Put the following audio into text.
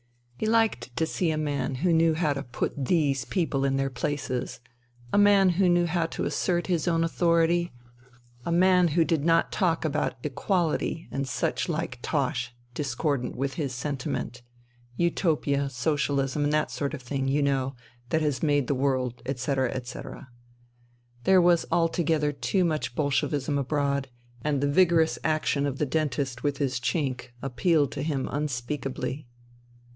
He liked to see a man who knew how to put " these people " in their places, a man who knew how to assert his own authority, a man who did not talk about " equality " and such like tosh (discordant with his sentiment), " Utopia," " sociahsm," and that sort of thing, you know, that has made the world, etc., etc. There was altogether too much Bolshevism abroad, and the vigorous action of the dentist with his Chink appealed to him unspeakably.